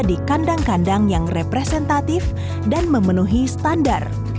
di kandang kandang yang representatif dan memenuhi standar